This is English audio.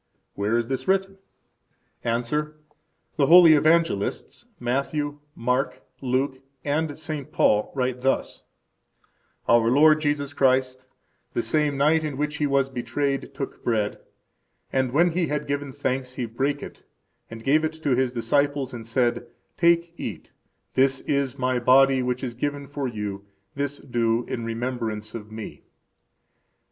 Where is this written? –Answer: The holy Evangelists, Matthew, Mark, Luke, and St. Paul, write thus: Our Lord Jesus Christ, the same night in which He was betrayed, took bread: and when He had given thanks, He brake it, and gave it to His disciples, and said, Take, eat; this is My body, which is given for you. This do in remembrance of Me.